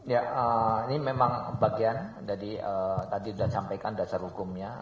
ya ini memang bagian dari tadi sudah disampaikan dasar hukumnya